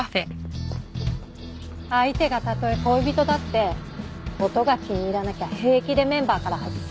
相手がたとえ恋人だって音が気に入らなきゃ平気でメンバーから外す。